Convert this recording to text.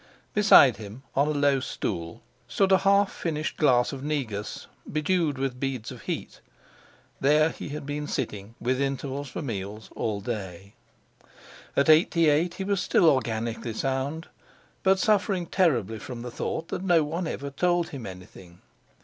Beside him, on a low stool, stood a half finished glass of negus, bedewed with beads of heat. There he had been sitting, with intervals for meals, all day. At eighty eight he was still organically sound, but suffering terribly from the thought that no one ever told him anything.